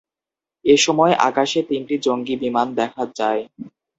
এসময় আকাশে তিনটি জঙ্গি বিমান দেখা যায়।